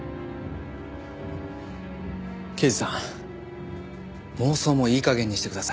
刑事さん妄想もいい加減にしてください。